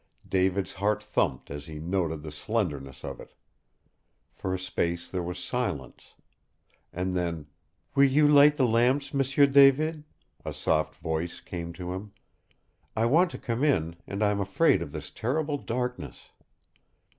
David's heart thumped as he noted the slenderness of it. For a space there was silence. And then, "Will you light the lamps, M'sieu David?" a soft voice came to him. "I want to come in, and I am afraid of this terrible darkness!"